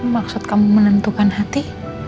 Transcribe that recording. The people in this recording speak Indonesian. maksud kamu menentukan hati